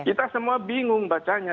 kita semua bingung bacanya